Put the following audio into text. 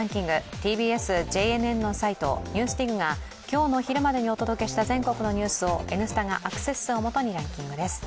ＴＢＳ・ＪＮＮのサイト、「ＮＥＷＳＤＩＧ」が今日の昼までにお届けした全国のニュースを「Ｎスタ」がアクセス数を基にランキングです。